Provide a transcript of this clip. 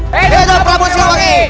hidup ramu silwangi